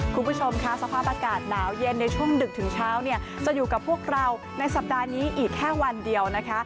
คุณผู้ชมค่ะสภาพอากาศหนาวเย็นในช่วงดึกถึงเช้าเนี่ยจะอยู่กับพวกเราในสัปดาห์นี้อีกแค่วันเดียวนะคะ